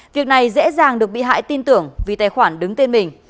việc này dễ dàng được bị hại tin tưởng vì tài khoản đứng tên mình